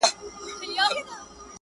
يوه ورځ نوبت په خپله د سلطان سو؛